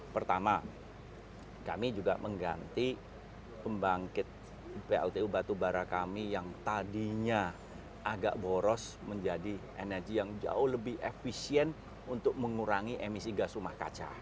pertama kami juga mengganti pembangkit pltu batubara kami yang tadinya agak boros menjadi energi yang jauh lebih efisien untuk mengurangi emisi gas rumah kaca